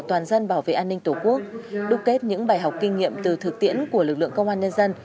toàn dân bảo vệ an ninh tổ quốc đúc kết những bài học kinh nghiệm từ thực tiễn của lực lượng công an nhân dân